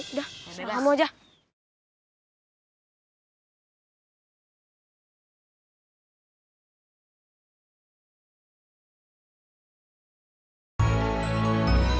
udah sama aja